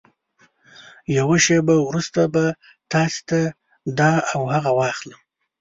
يوه شېبه وروسته به تاسې ته دا او هغه واخلم.